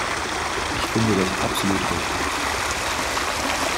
Ich finde das absolut richtig!